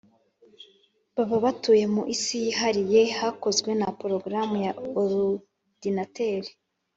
baba batuye mu isi yihariye yakozwe na porogaramu ya orudinateri